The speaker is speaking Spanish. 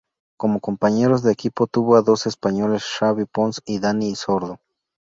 Como compañeros de equipo tuvo a los españoles Xavi Pons y Dani Sordo.